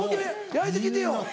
焼いて来てよ。